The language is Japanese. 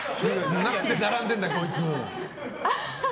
何で並んでんだよ、こいつ。